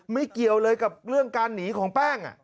เกี่ยวเลยกับเรื่องการหนีของแป้ง